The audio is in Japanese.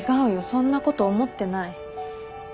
そんなこと思ってない。